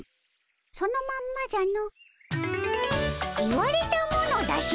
そのまんまじゃの。